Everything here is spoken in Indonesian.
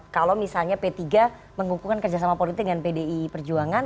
kalau misalnya p tiga mengukuhkan kerjasama politik dengan pdi perjuangan